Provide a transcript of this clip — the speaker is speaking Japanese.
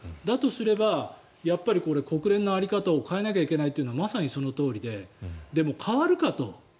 だとすればやっぱり国連の在り方を変えなきゃいけないというのはまさにそのとおりででも変わるかと。